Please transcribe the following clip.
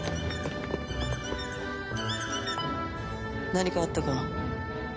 何かあったか？